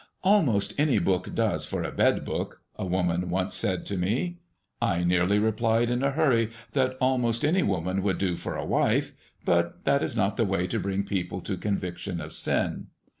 "Almost any book does for a bed book," a woman once said to me. I nearly replied in a hurry that almost any woman would do for a wife; but that is not the way to bring people to conviction of sin.